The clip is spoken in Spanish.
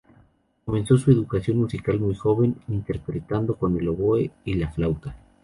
Comenzó su educación musical muy joven, interpretando con el oboe y la flauta.